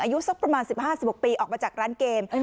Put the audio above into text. อายุสักประมาณ๑๕๑๖ปีออกมาจากร้านเกม